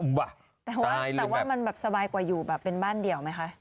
คุณแม่คุณแม่คิดนี่มันแบบสบายกว่าอยู่แบบเป็นบ้านเดียวไหมคะ